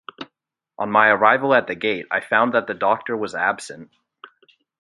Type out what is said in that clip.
On my arrival at the gate I found that the doctor was absent.